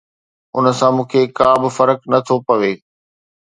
ان سان مون کي ڪا به فرق نه ٿو پوي.